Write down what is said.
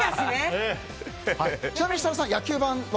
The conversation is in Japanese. ちなみに、設楽さん野球盤は？